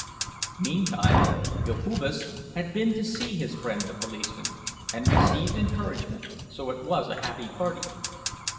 Meantime Jokubas had been to see his friend the policeman, and received encouragement, so it was a happy party.